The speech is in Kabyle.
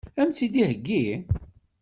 Ad m-tt-id-iheggi?